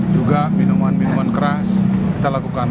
juga minuman minuman keras kita lakukan